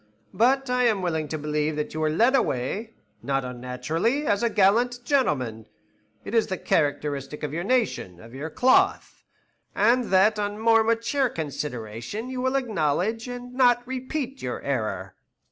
But I am willing to believe that you were led away, not unnaturally, as a gallant gentleman, it is the characteristic of your nation, of your cloth, and that on more mature consideration you will acknowledge and not repeat your error."